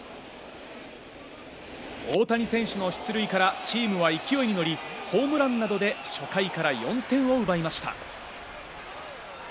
大谷選手の出塁から、チームは勢いに乗り、ホームランなどで初回から４点を奪いました。